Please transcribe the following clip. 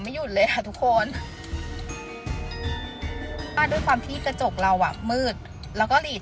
หยุดเลยค่ะทุกคนป้าด้วยความที่กระจกเราอ่ะมืดแล้วก็หลีด